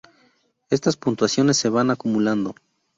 Estas puntuaciones se van acumulando.